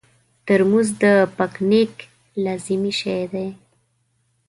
ترموز د پکنیک لازمي شی دی.